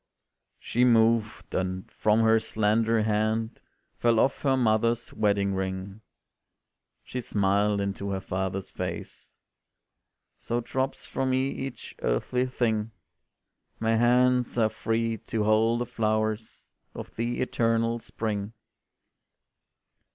She moved, and from her slender hand Fell off her mother's wedding ring; She smiled into her father's face "So drops from me each earthly thing; My hands are free to hold the flowers Of the eternal spring."